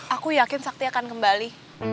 aku yakin sakti akan kembali